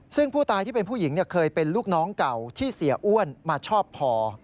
ซึ่งผู้ตายที่เป็นผู้หญิงเคยเป็นลูกน้องเก่าที่เสียอ้วนมาชอบพอ